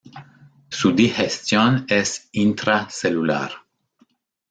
Su digestión es intracelular.